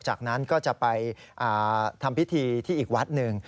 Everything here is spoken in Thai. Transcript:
จากนั้นก็จะไปทำพิธีที่อีกวัดหนึ่ง